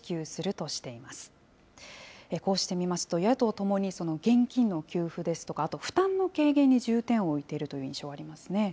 こうして見ますと、野党ともに、現金の給付ですとか、あと負担の軽減に重点を置いているという印象がありますね。